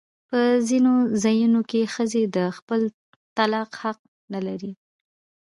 په ځینو ځایونو کې ښځې د خپل طلاق حق نه لري.